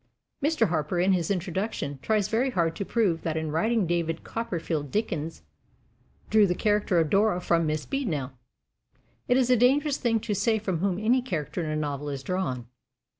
Mr. Harper, in his introduction, tries very hard to prove that in writing David Copperfield Dickens drew the character of Dora from Miss Beadnell. It is a dangerous thing to say from whom any character in a novel is drawn.